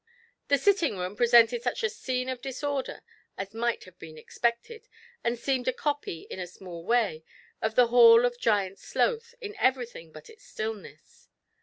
The sitting room presented such a scene of disorder as nlight have been expected, and seemed a copy, in a small way, of the hall of Giant Sloth, in everything but its stillness.